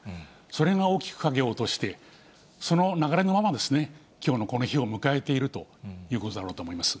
それが大きく影を落として、その流れのまま、きょうのこの日を迎えているということだろうと思います。